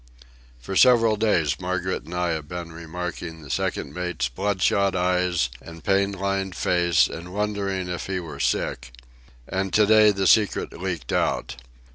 For several days Margaret and I have been remarking the second mate's bloodshot eyes and pain lined face and wondering if he were sick. And to day the secret leaked out.